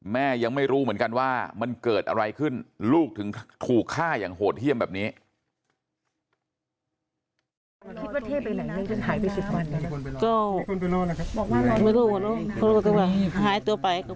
แม่ยังไม่รู้เหมือนกันว่ามันเกิดอะไรขึ้นลูกถึงถูกฆ่าอย่างโหดเยี่ยมแบบนี้